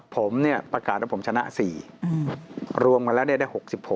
ผมประกาศว่าผมชนะ๔รวมกันแล้วได้ได้๖๖